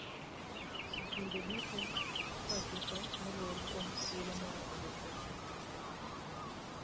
Skunde duto e pacho ka nolor kuom thuolo maromo dweche ochiko.